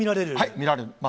見られます。